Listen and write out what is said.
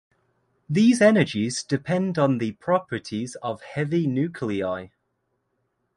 These energies depend on the properties of heavy nuclei.